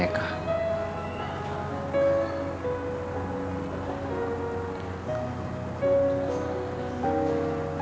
gue kepikiran sama meka